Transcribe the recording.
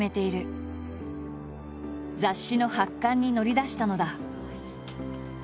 雑誌の発刊に乗り出したのだ。